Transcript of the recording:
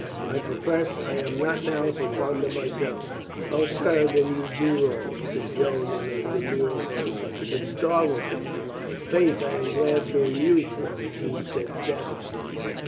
I profess I am not now so fond of myself." "O, sir, then you do wrong," said Joan in a de mure voice. It startled him. "Faith, I am glad to amuse you," he said savagely.